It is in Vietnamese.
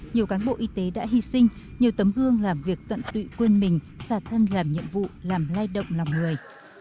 nhiều cán bộ y tế đã hy sinh nhiều tấm gương làm việc tận tụy quân mình xà thân làm nhiệm vụ làm lai động lòng người